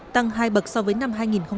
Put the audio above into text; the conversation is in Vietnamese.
tăng hai bậc so với năm hai nghìn hai mươi hai